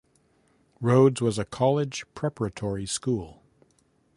Rhodes was a college preparatory school.